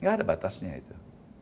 tidak ada batasnya itu